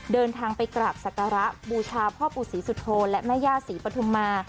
เดินทางไปกราบศักระบูชาพ่อปู่ศรีสุโธและแม่ย่าศรีปฐุมมา